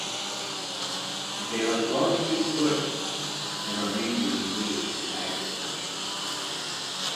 They are largely Buddhists and are mainly engaged in agriculture.